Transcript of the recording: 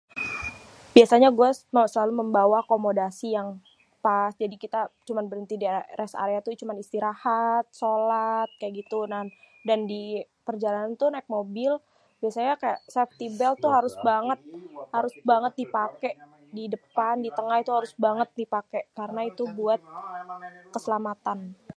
Biasanya gue selalu membawa akomodasi yang tas, jadi kita cuma berhenti di rest area cuma istirahat, solat kaya gitu, nah dan di perjalanan tuh naik mobil biasanya kaya seftibelt harus banget, harus banget dipake di depan, di tengah harus banget dipake. karena itu buat keselamatan.